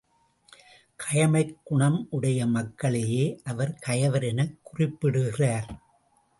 கயமைக் குணம் உடைய மக்களையே அவர் கயவர் எனக் குறிப்பிடுகிறார்.